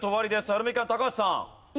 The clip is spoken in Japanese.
アルミカン高橋さん。